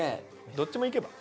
どっちもいけば？